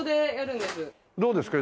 どうですか？